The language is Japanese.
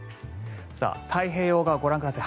太平洋側、ご覧ください